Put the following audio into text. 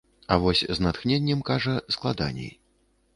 А вось з натхненнем, кажа, складаней.